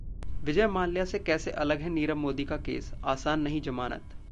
विजय माल्या से कैसे अलग है नीरव मोदी का केस, आसान नहीं जमानत